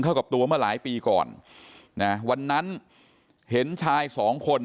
เข้ากับตัวเมื่อหลายปีก่อนนะวันนั้นเห็นชายสองคน